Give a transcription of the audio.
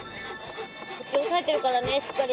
おさえてるからねしっかり。